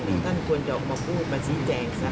ถึงท่านควรอย่องมาพูดไว้สิจังสัก